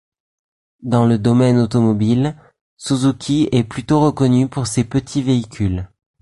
Dans le domaine automobile, Suzuki est plutôt reconnu pour ses petits véhicules.